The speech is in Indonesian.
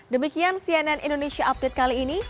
demikian cnn indonesia update kali ini